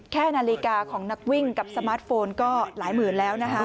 แค่นาฬิกาของนักวิ่งกับสมาร์ทโฟนก็หลายหมื่นแล้วนะคะ